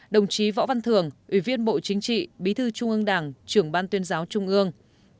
đồng chí võ văn thường ủy viên bộ chính trị bí thư trung ương đảng trưởng ban tuyên giáo trung ương